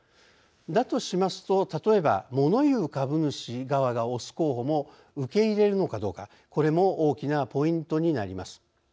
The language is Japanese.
だとしますと例えばモノ言う株主側が推す候補も受け入れるのかどうかこれも大きなポイントになります。